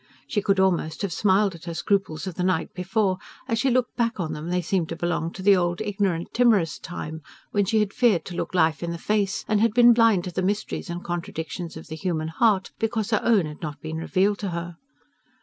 She could almost have smiled at her scruples of the night before: as she looked back on them they seemed to belong to the old ignorant timorous time when she had feared to look life in the face, and had been blind to the mysteries and contradictions of the human heart because her own had not been revealed to her.